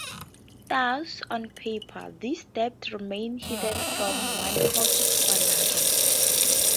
Thus on paper, these debts remained hidden from one quarter to another.